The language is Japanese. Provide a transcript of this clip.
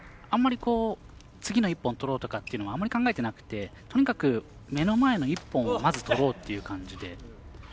あまり、次の１本取ろうとかあんまり考えてなくてとにかく目の前の１本をまず取ろうという感じで。